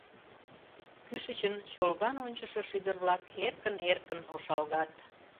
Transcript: Кӱшычын чолган ончышо шӱдыр-влак эркын-эркын ошалгат.